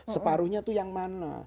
separuhnya itu yang mana